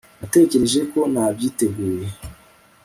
Natekereje ko nabyiteguye